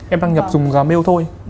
em đăng nhập dùng gà mail thôi